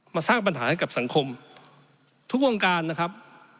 สร้างปัญหาให้กับสังคมทุกวงการนะครับ